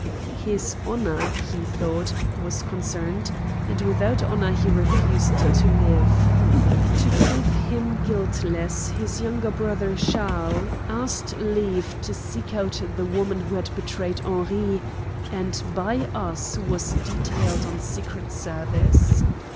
His honor, he thought, was concerned, and without honor he refused to live. To prove him guiltless his younger brother Charles asked leave to seek out the woman who had betrayed Henri, and by us was detailed on secret service.